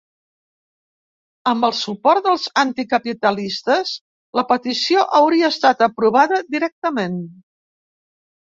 Amb el suport dels anticapitalistes, la petició hauria estat aprovada directament.